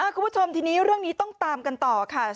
คุณผู้ชมทีนี้เรื่องนี้ต้องตามกันต่อค่ะ